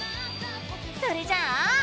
それじゃあ！